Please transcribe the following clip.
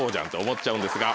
思っちゃうんですが。